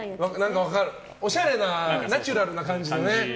おしゃれなナチュラルな感じのね。